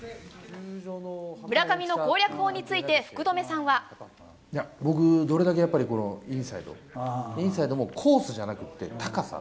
村上の攻略法について、僕、どれだけやっぱりインサイド、インサイドもコースじゃなくって、高さ。